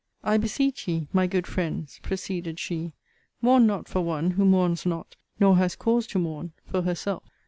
I beseech ye, my good friends, proceeded she, mourn not for one who mourns not, nor has cause to mourn, for herself.